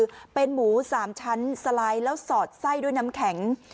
คือเป็นหมู๓ชั้นสไลด์แล้วสอดไส้ด้วยน้ำแข็ง